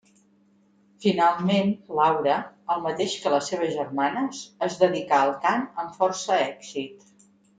Finalment, Laura, el mateix que les seves germanes, es dedicà al cant amb força èxit.